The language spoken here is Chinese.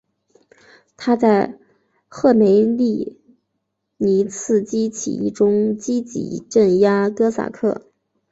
他在赫梅利尼茨基起义中积极镇压哥萨克。